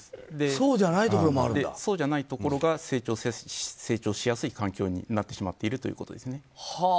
そして、そうじゃないところが成長しやすい環境になってしまっているということですね。